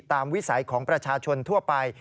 วิสัยของประชาชนทั่วไป